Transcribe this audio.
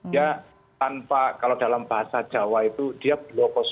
ya tanpa kalau dalam bahasa jawa itu dia blue